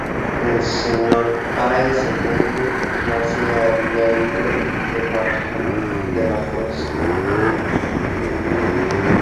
El sr. Páez Allende ya se había ido de baja de la fuerza.